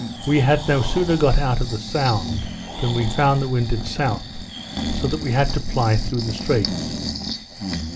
We had no sooner got out of the sound, than we found the wind at south, so that we had to ply through the straits.